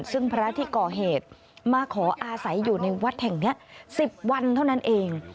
ซึ่งพระที่ก่อเหตุมาขออาศัยอยู่ในวัดแห่งนี้๑๐วันเท่านั้นเอง